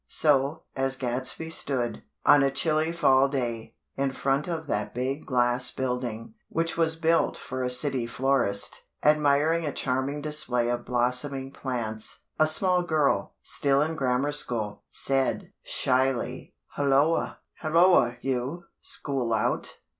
So, as Gadsby stood, on a chilly fall day, in front of that big glass building which was built for a city florist, admiring a charming display of blossoming plants, a small girl, still in Grammar School, said, shyly: "Hulloa." "Hulloa, you. School out?"